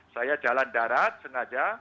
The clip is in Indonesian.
saya jalan darat sengaja